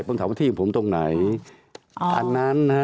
ผมถามว่าที่ผมตรงไหนอันนั้นนะฮะ